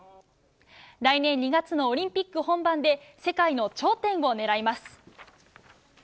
来年２月のオリンピック本番で世界の頂点を狙います。